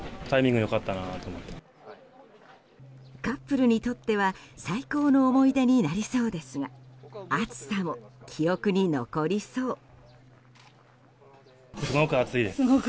カップルにとっては最高の思い出になりそうですが暑さも記憶に残りそう。